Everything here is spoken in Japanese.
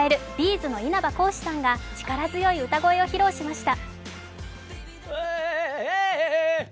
’ｚの稲葉浩志さんが力強い歌声を披露しました。